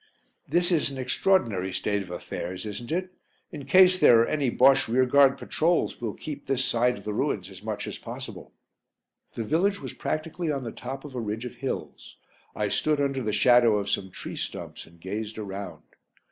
"This is an extraordinary state of affairs, isn't it? In case there are any Bosche rearguard patrols, we'll keep this side of the ruins as much as possible." The village was practically on the top of a ridge of hills. I stood under the shadow of some tree stumps and gazed around.